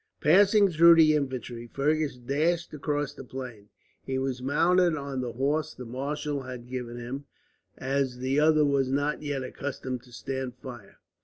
Passing through the infantry, Fergus dashed across the plain. He was mounted on the horse the marshal had given him, as the other was not yet accustomed to stand fire.